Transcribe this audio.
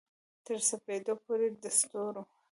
تر سپیدو پوري د ستورو